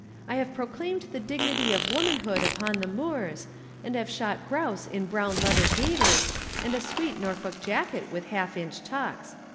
I have proclaimed the dignity of womanhood upon the moors, and have shot grouse in brown leather gaiters and a sweet Norfolk jacket with half inch tucks.